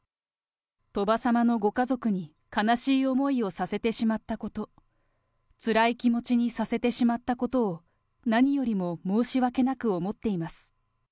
鳥羽様のご家族に悲しい思いをさせてしまったこと、つらい気持ちにさせてしまったことを、何よりも申し訳なく思っています。